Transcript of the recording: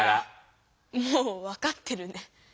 もう分かってるね。